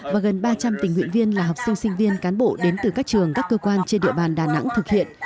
và gần ba trăm linh tình nguyện viên là học sinh sinh viên cán bộ đến từ các trường các cơ quan trên địa bàn đà nẵng thực hiện